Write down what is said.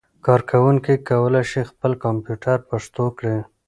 کاروونکي کولای شي خپل کمپيوټر پښتو کړي.